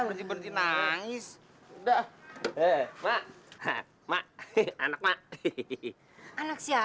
masa nyata dipijam kepamu nangis usually eal lagiast scales fast